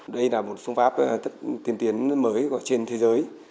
đây là một phương pháp tiên tiến mới trên thế giới